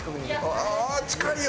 ああ近いよ！